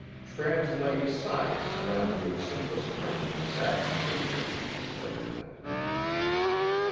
"Translate 'science' down to its simplest terms in Saxon English," said Kent.